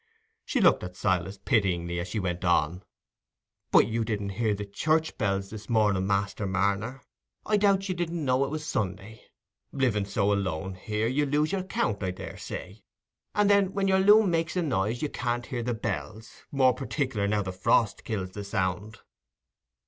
She looked at Silas pityingly as she went on. "But you didn't hear the church bells this morning, Master Marner? I doubt you didn't know it was Sunday. Living so lone here, you lose your count, I daresay; and then, when your loom makes a noise, you can't hear the bells, more partic'lar now the frost kills the sound."